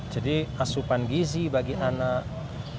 jadi asupan gizi bagi anak itu